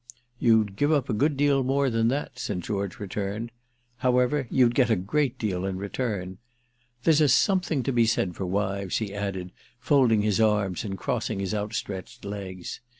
"You'd give up a good deal more than that," St. George returned. "However, you'd get a great deal in return. There's a something to be said for wives," he added, folding his arms and crossing his outstretched legs.